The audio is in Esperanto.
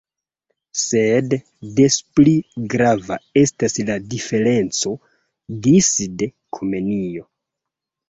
Sed des pli grava estas la diferenco disde Komenio.